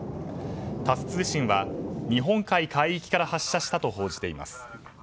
タス通信は日本海海域から発射したと報じています。